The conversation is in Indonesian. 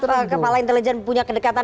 karena kepala intelijen punya kedekatan